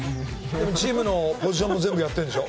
チームのオーディションも全部やってるんでしょ？